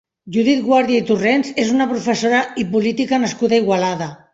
Judit Guàrdia i Torrents és una professora i política nascuda a Igualada.